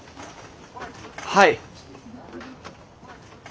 はい。